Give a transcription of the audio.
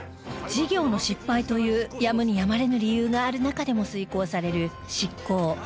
事業の失敗というやむにやまれぬ理由がある中でも遂行される執行